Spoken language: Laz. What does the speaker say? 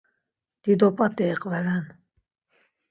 Dido p̌at̆i iqveren.